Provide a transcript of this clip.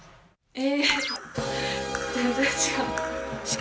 え！